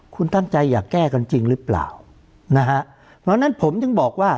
คุณตั้งใจอยากแก้กันจริงหรือเปล่านะฮะเพราะฉะนั้นผมถึงบอกว่า